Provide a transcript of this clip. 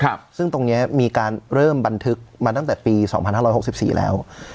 ครับซึ่งตรงเนี้ยมีการเริ่มบันทึกมาตั้งแต่ปีสองพันห้าร้อยหกสิบสี่แล้ว